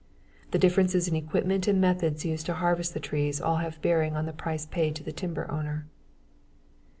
The differences in equipment and methods used to harvest the trees all have a bearing on the price paid the timber owner.